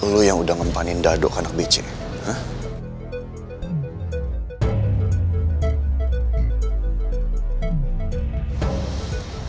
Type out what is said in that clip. lo yang udah ngempanin dadok ke anak becim